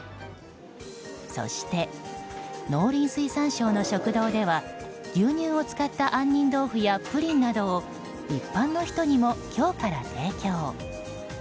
そして、農林水産省の食堂では牛乳を使った杏仁豆腐やプリンなどを一般の人にも今日から提供。